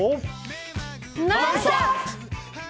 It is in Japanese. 「ノンストップ！」。